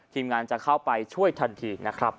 ทีมงานจะเข้าไปช่วยทันทีนะครับ